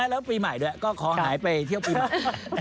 แล้วปีใหม่ด้วยก็ขอหายไปเที่ยวปีใหม่